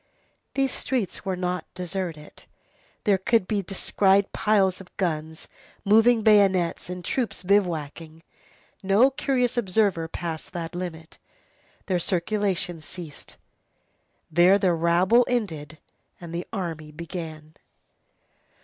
These streets were not deserted. There could be descried piles of guns, moving bayonets, and troops bivouacking. No curious observer passed that limit. There circulation ceased. There the rabble ended and the army began.